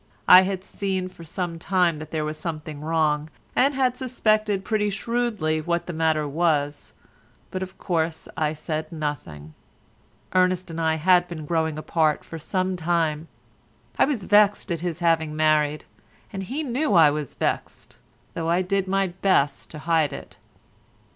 I had seen for some time that there was something wrong, and had suspected pretty shrewdly what the matter was, but of course I said nothing. Ernest and I had been growing apart for some time. I was vexed at his having married, and he knew I was vexed, though I did my best to hide it.